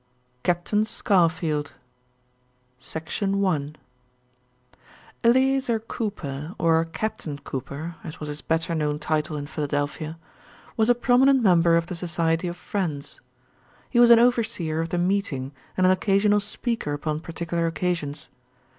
_ CAPTAIN SCARFIELD I Eleazer Cooper, or Captain Cooper, as was his better known title in Philadelphia, was a prominent member of the Society of Friends. He was an overseer of the meeting and an occasional speaker upon particular occasions.